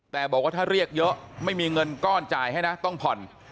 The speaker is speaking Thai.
แต่บอกว่าถ้าเรียกเยอะไม่มีเงินก้อนจ่ายให้นะต้องผ่อน